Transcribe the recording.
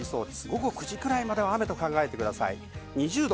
午後９時くらいまで雨と考えてください。